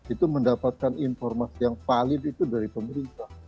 itu mendapatkan informasi yang valid itu dari pemerintah